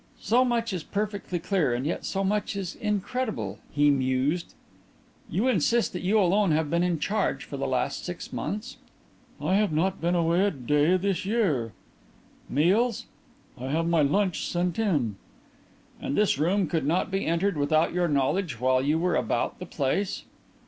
"So much is perfectly clear and yet so much is incredible," he mused. "You insist that you alone have been in charge for the last six months?" "I have not been away a day this year." "Meals?" "I have my lunch sent in." "And this room could not be entered without your knowledge while you were about the place?"